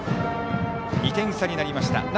２点差になりました。